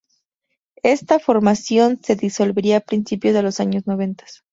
Esta formación se disolvería a principios de los años noventas.